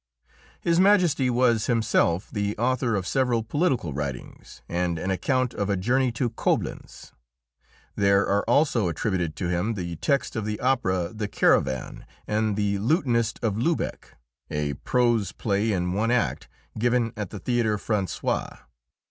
His Majesty was himself the author of several political writings and an account of a "Journey to Coblentz." There are also attributed to him the text of the opera "The Caravan" and "The Lutenist of Lübeck," a prose play in one act, given at the Théâtre Français.